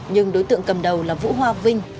nhưng đối tượng cầm đầu là vũ hoa vinh